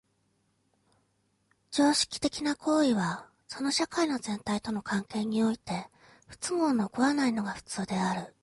常識的な行為はその社会の全体との関係において不都合の起こらないのが普通である。